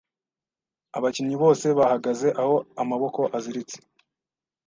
Abakinnyi bose bahagaze aho amaboko aziritse